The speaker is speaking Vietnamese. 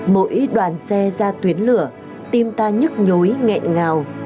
mỗi đoàn xe ra tuyến lửa tim ta nhức nhối nghẹn ngào